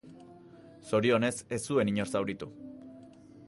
Zorionez, ez zuen inor zauritu.